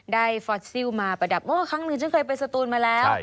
ได้ฟอสซิลมาประดับค่อนขึ้นนึงก็เคยไปสตูลมาแล้ว